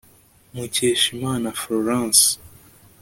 mukeshimana florence